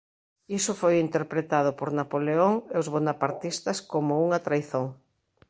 Iso foi interpretado por Napoleón e os bonapartistas como unha traizón.